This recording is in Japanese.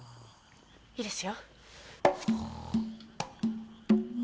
いいですよ。